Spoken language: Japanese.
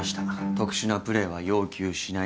特殊なプレイは要求しない。